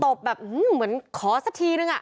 ตบแบบเหมือนขอสักทีนึง